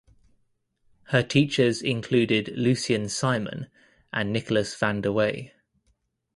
Her teachers included Lucien Simon and Nicolaas van der Waay.